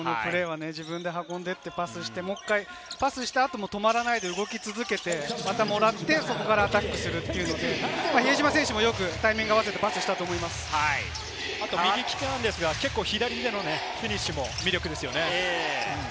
自分で運んでいってパスしてパスした後も止まらず、受け続けてまたもらってそこからアタックするという、比江島選手もよくタイミングを合わせてよく右利きなんですが、左でのフィニッシュも魅力ですよね。